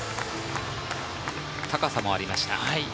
高さもありました。